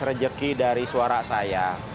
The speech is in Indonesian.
rezeki dari suara saya